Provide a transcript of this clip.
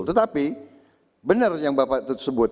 tetapi benar yang bapak sebut